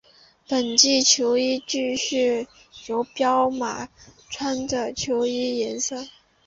本季球衣继续由彪马穿着的球衣颜色。